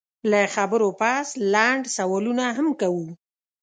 له خبرو پس لنډ سوالونه هم کوو